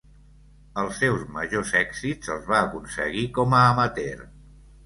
Els seus majors èxits els va aconseguir com a amateur.